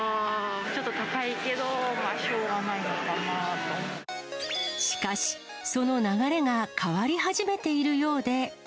ちょっと高いけど、しかし、その流れが変わり始めているようで。